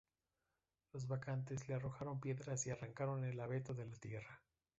Las bacantes le arrojaron piedras y arrancaron el abeto de la tierra.